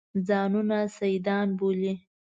ځانونه سیدان بولي.